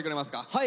はい。